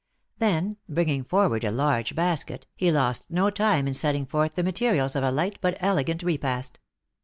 Then, bringing forward a large basket, he lost no time in setting forth the materials of a light but elegant repast.